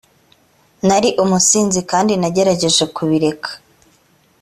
nari umusinzi kandi nagerageje kubireka